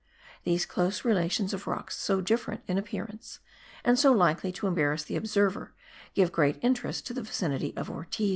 These close relations of rocks so different in appearance and so likely to embarrass the observer give great interest to the vicinity of Ortiz.